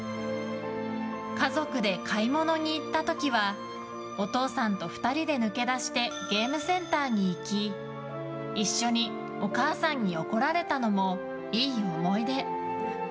家族で買い物に行った時はお父さんと２人で抜け出してゲームセンターに行き一緒にお母さんに怒られたのもいい思い出。